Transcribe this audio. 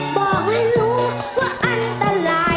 บอกให้รู้ว่าอันตราย